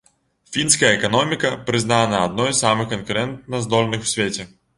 Фінская эканоміка прызнана адной з самых канкурэнтаздольных у свеце.